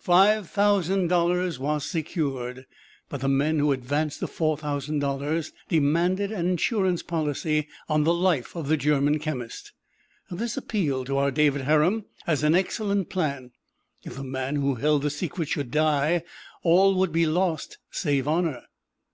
Five thousand dollars was secured. But the men who advanced the four thousand dollars demanded an insurance policy on the life of the German chemist. This appealed to our David Harum as an excellent plan: if the man who held the secret should die, all would be lost save honor.